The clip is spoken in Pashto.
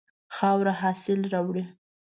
خاوره حاصل راوړي.